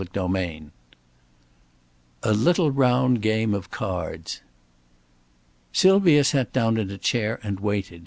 CHAPTER X A LITTLE ROUND GAME OF CARDS Sylvia sat down in a chair and waited.